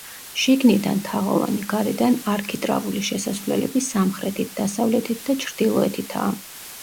შიგნიდან თაღოვანი, გარედან არქიტრავული შესასვლელები სამხრეთით, დასავლეთით და ჩრდილოეთითაა.